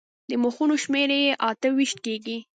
د مخونو شمېره یې اته ویشت کېږي.